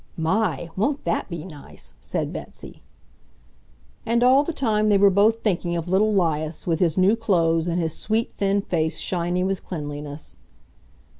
"My! Won't that be nice!" said Betsy. And all the time they were both thinking of little 'Lias with his new clothes and his sweet, thin face shining with cleanliness.